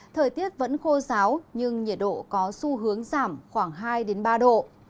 thời tiết vẫn khô giáo nhưng nhiệt độ có xu hướng giảm khoảng hai ba độ